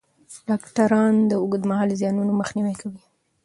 ډاکټران د اوږدمهاله زیانونو مخنیوی کوي.